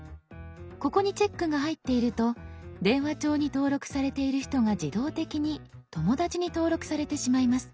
ここにチェックが入っていると電話帳に登録されている人が自動的に「友だち」に登録されてしまいます。